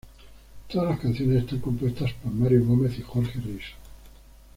Todas las canciones están compuestas por Mario Gómez y Jorge Risso.